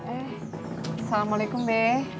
eh assalamualaikum deh